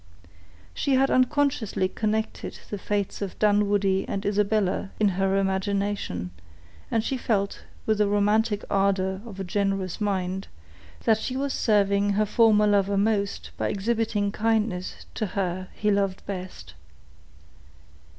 She had unconsciously connected the fates of Dunwoodie and Isabella in her imagination, and she felt, with the romantic ardor of a generous mind, that she was serving her former lover most by exhibiting kindness to her he loved best.